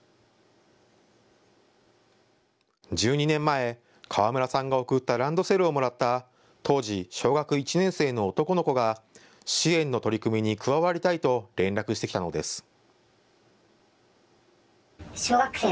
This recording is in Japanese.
１２年前、河村さんが贈ったランドセルをもらった当時、小学１年生の男の子が支援の取り組みに加わりたいと連絡してきたのです。